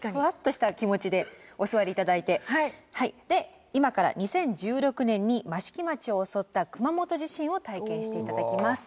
で今から２０１６年に益城町を襲った熊本地震を体験して頂きます。